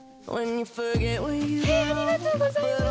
ありがとうございます！